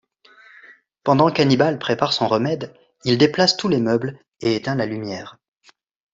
Pendant qu'Annibale prépare son remède, il déplace tous les meubles et éteint la lumière.